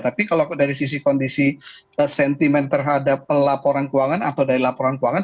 tapi kalau dari sisi kondisi sentimen terhadap pelaporan keuangan atau dari laporan keuangan